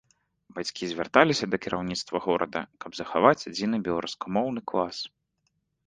Бацькі звярталіся да кіраўніцтва горада, каб захаваць адзіны беларускамоўны клас.